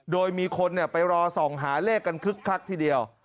โดยมีคนไปรอส่องหาเลขกันคึกคักทีเดียว